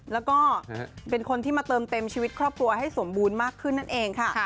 แล้วก็เป็นคนที่มาเติมเต็มชีวิตครอบครัวให้สมบูรณ์มากขึ้นนั่นเองค่ะ